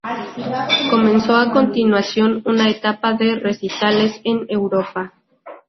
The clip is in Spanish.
Comenzó a continuación una etapa de recitales en Europa.